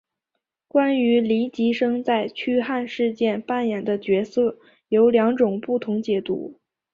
关于黎吉生在驱汉事件扮演的角色有两种不同解读。